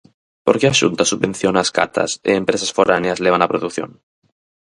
Por que a Xunta subvenciona as catas e empresas foráneas levan a produción?